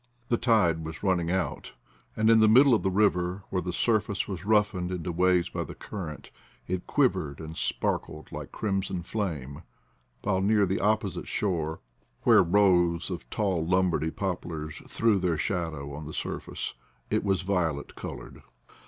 The tide was running out, and in the middle of the river, where the surface was roughened into waves by the current, it quiv ered and sparkled like crimson flame, while near the opposite shore, where rows of tall Lombardy poplars threw their shadow on the surface, it was violet colored.